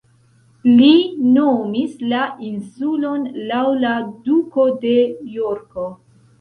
Li nomis la insulon laŭ la Duko de Jorko.